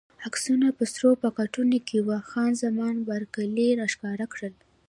عکسونه په سرو پاکټو کې وو، خان زمان بارکلي راښکاره کړل.